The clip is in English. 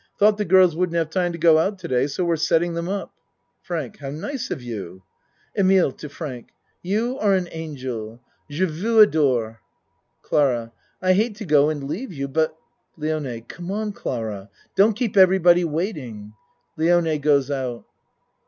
Thought the girls wouldn't have time to go out to day so we're setting them up. FRANK How nice of you! EMILE (To Frank.) You are an angel. Je ACT II 67 vous adore. CLARA I hate to go and leave you but LIONE Come on Clara, don't keep everybody waiting (Lione goes out.)